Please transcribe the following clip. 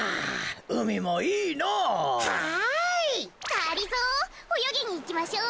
がりぞーおよぎにいきましょう。